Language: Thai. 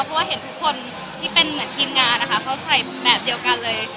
เพราะว่าเห็นทุกคนที่เป็นเหมือนทีมงานนะคะเขาใส่แบบเดียวกันเลย